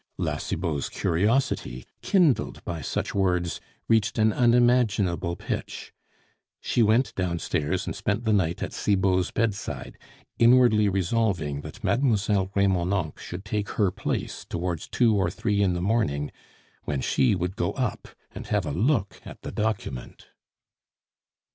La Cibot's curiosity, kindled by such words, reached an unimaginable pitch. She went downstairs and spent the night at Cibot's bedside, inwardly resolving that Mlle. Remonencq should take her place towards two or three in the morning, when she would go up and have a look at the document.